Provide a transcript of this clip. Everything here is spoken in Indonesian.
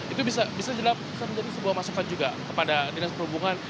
itu bisa menjadi sebuah masukan juga kepada dinas perhubungan